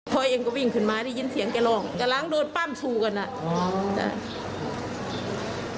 พ่อเองก็วิ่งขึ้นมาได้ยินเสียงแกร้องแต่หลังโดนปั้มชูกันอ่ะ